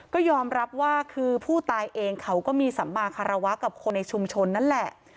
ก็ยอมรับว่าคือผู้ตายเองเขาก็มีสัมมาคารวะกับคนในชุมชนนั่นแหละ